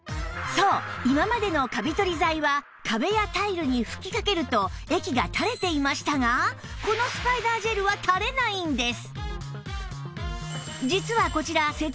そう今までのカビ取り剤は壁やタイルに吹きかけると液がたれていましたがこのスパイダージェルはたれないんです